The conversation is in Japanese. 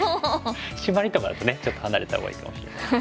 シマリとかだとねちょっと離れたほうがいいかもしれないです。